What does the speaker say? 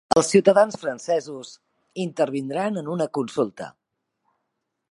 Els ciutadans francesos intervindran en una consulta